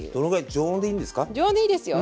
常温でいいですよ。